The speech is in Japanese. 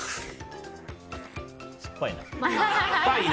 酸っぱいな。